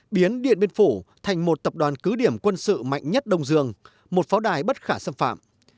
biến điện biên phủ thành một tập đoàn cứ điểm quân sự mạnh nhất đông dương một pháo đài bất khả xâm phạm